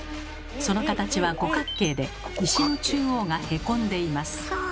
その形は五角形で石の中央がへこんでいます。